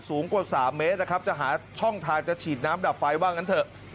สูงกว่า๓เมตรนะครับจะหาช่องทางจะฉีดน้ำดับไฟว่างั้นเถอะ